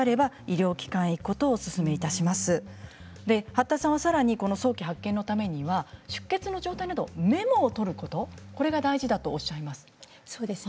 八田さんはさらに早期発見のためには出血の状態など、メモを取ることこれが大事だとおっしゃいます。